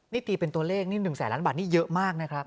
นี่ตีเป็นตัวเลขนี่๑แสนล้านบาทนี่เยอะมากนะครับ